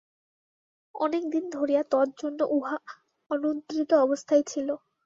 অনেক দিন ধরিয়া তজ্জন্য উহা অনুদ্রিত অবস্থায় ছিল।